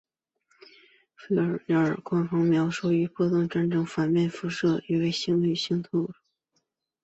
菲涅耳方程描述关于波动在界面的反射行为与透射行为。